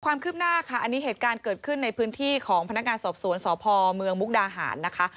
ความคืบหน้าค่ะอันนี้เหตุการณ์เกิดขึ้นในพื้นที่ของพนักงานสอบสวนสพเมืองมุกดาหารนะคะ